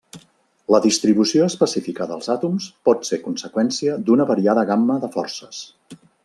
La distribució específica dels àtoms pot ser conseqüència d'una variada gamma de forces.